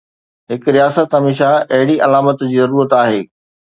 هڪ رياست هميشه اهڙي علامت جي ضرورت آهي.